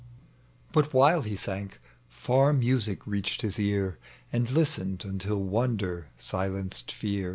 But while he sank far music reached his ear. He listened until wonder silenced fear.